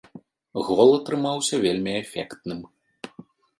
Гол атрымаўся вельмі эфектным.